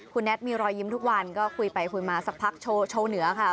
คุณแท็ตมีรอยยิ้มทุกวันก็คุยไปคุยมาสักพักโชว์เหนือค่ะ